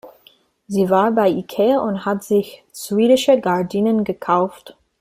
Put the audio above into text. Sie war bei Ikea und hat sich schwedische Gardinen gekauft.